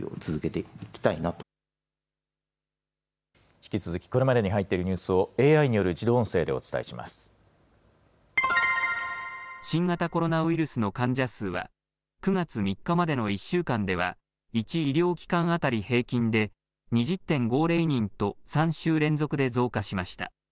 引き続き、これまでに入っているニュースを、ＡＩによる自動音声でお伝えしま新型コロナウイルスの患者数は、９月３日までの１週間では、１医療機関当たり平均で２０．５０人と３週連続で増加しました。